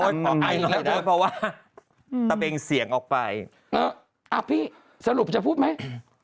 อู๋ยแล้วเพราะว่าตะเบงเสียงออกไปอะพี่สรุปจะพูดไหม